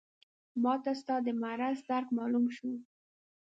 ماته ستا د مرض درک معلوم شو.